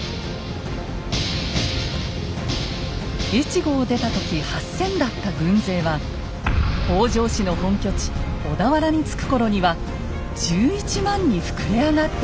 越後を出た時８，０００だった軍勢は北条氏の本拠地小田原に着く頃には１１万に膨れ上がっていました。